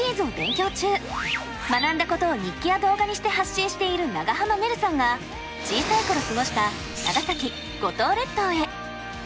学んだことを日記や動画にして発信している長濱ねるさんが小さい頃過ごした長崎・五島列島へ。